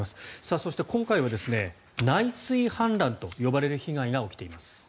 そして、今回は内水氾濫と呼ばれる被害が起きています。